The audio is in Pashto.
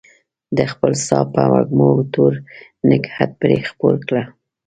د خپل ساه په وږمو تور نګهت پرې خپور کړه